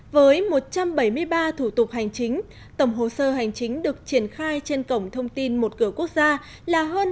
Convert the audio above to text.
với một trăm bảy mươi ba thủ tục hành chính tổng hồ sơ hành chính được triển khai trên cổng thông tin một cửa quốc gia là hơn hai năm mươi chín